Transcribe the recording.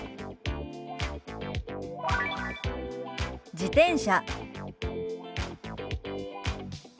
「自転車」。